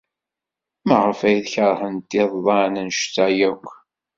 Maɣef ay keṛhent iḍan anect-a akk?